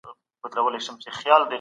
پر دغه کوچني باندي پام کول ډېر ضرور دي.